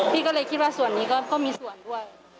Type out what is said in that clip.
พี่ก็เลยคิดว่าส่วนนี้ก็มีส่วนด้วย